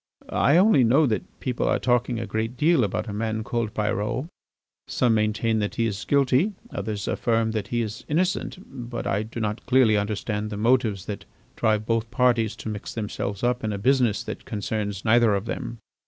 I only know that people are talking a great deal about a man called Pyrot. Some maintain that he is guilty, others affirm that he is innocent, but I do not clearly understand the motives that drive both parties to mix themselves up in a business that concerns neither of them."